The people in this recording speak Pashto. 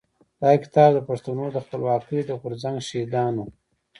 دا کتاب د پښتنو د خپلواکۍ د غورځنګ د شهيدانو.